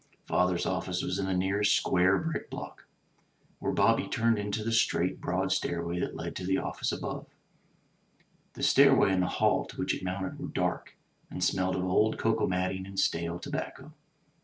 Father's office was in the nearest square brick block, where Bobby turned in to the straight, broad stainvay that led to the office above. The stairway, and the hall to which it mounted were dark and smelled of old coco matting and stale tobacco.